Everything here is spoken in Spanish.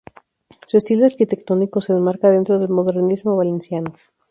Su estilo arquitectónico se enmarca dentro del modernismo valenciano.